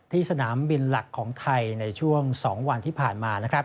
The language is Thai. สนามบินหลักของไทยในช่วง๒วันที่ผ่านมานะครับ